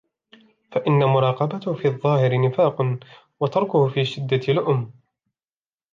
فَإِنَّ مُرَاقَبَتَهُ فِي الظَّاهِرِ نِفَاقٌ ، وَتَرْكَهُ فِي الشِّدَّةِ لُؤْمٌ